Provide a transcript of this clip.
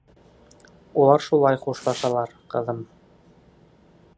— Улар шулай хушлашалар, ҡыҙым.